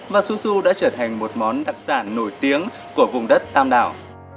và su su đã trở thành một món đặc sản nổi tiếng của vùng đất tam đảo